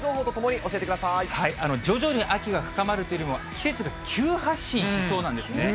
徐々に秋が深まるというよりも、季節が急発進しそうなんですね。